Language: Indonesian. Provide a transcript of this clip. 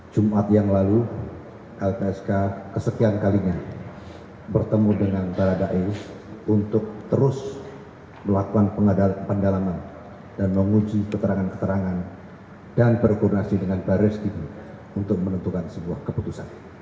jumat yang lalu lpsk kesekian kalinya bertemu dengan baradae untuk terus melakukan pendalaman dan menguji keterangan keterangan dan berkoordinasi dengan baris krim untuk menentukan sebuah keputusan